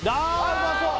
うまそうあ！